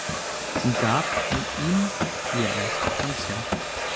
Sie gab mit ihm ihr erstes Konzert.